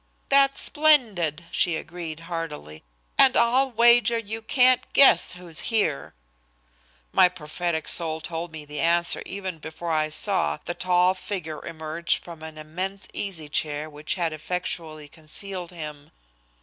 "That's splendid," she agreed heartily, "and I'll wager you can't guess who's here." My prophetic soul told me the answer even before I saw the tall figure emerge from an immense easy chair which had effectually concealed him.